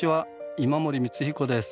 今森光彦です。